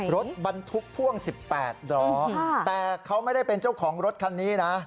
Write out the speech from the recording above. รถบรรทุกพ่วง๑๘ล้อแต่เขาไม่ได้เป็นเจ้าของรถคันนี้นะ